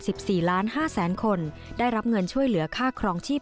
สี่ล้านห้าแสนคนได้รับเงินช่วยเหลือค่าครองชีพ